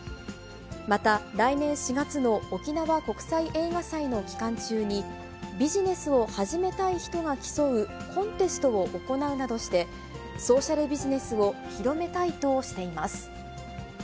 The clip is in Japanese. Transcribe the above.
また、来年４月の沖縄国際映画祭の期間中に、ビジネスを始めたい人が競うコンテストを行うなどして、ソーシャルビジネスを広めたいとしています。